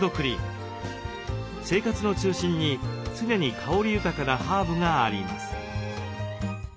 生活の中心に常に香り豊かなハーブがあります。